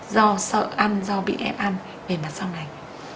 do sợ ăn do bị ép ăn về mặt sau này